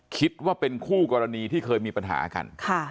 คิดว่าเป็นคู่กรณีที่เคยมีปัญหากัน